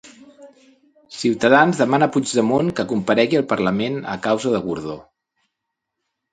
Ciutadans demana a Puigdemont que comparegui al parlament a causa de Gordó.